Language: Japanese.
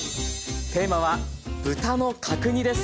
テーマは豚の角煮です。